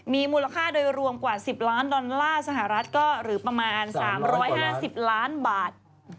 มีมูลค่าโดยรวมกว่า๑๐ล้านดอลลาร์สหรัฐก็หรือประมาณ๓๕๐ล้านบาท